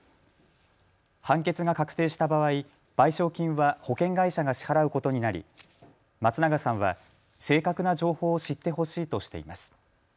判決が確定した場合、賠償金は保険会社が支払うことになり松永さんは正確な情報を知ってほしいとしています。